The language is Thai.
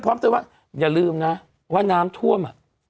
พร้อมถึงว่าอย่าลืมนะว่าน้ำท่วม